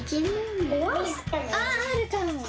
ああるかも！